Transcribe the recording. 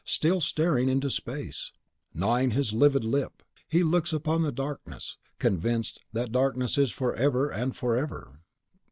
Still, staring into space, gnawing his livid lip, he looks upon the darkness, convinced that darkness is forever and forever!